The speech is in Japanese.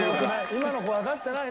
今の子わかってないね